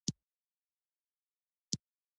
کابل د افغانستان په هره برخه کې په اسانۍ موندل کېږي.